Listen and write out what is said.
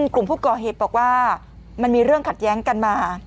กลุ่มผู้ก่อเหตุบอกว่ามันมีเรื่องขัดแย้งกันมา